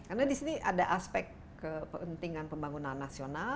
karena disini ada aspek kepentingan pembangunan nasional